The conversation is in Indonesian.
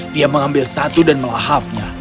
dia mengambil satu dan melahapnya